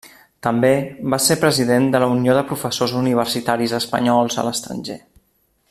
També va ser president de la Unió de Professors Universitaris Espanyols a l'Estranger.